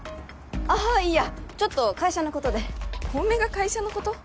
ああいやちょっと会社のことで小梅が会社のこと？